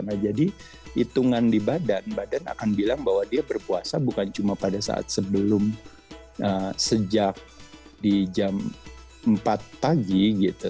nah jadi hitungan di badan badan akan bilang bahwa dia berpuasa bukan cuma pada saat sebelum sejak di jam empat pagi gitu